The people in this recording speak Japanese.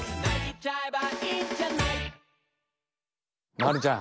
まるちゃん！